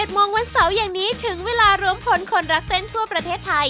โมงวันเสาร์อย่างนี้ถึงเวลารวมผลคนรักเส้นทั่วประเทศไทย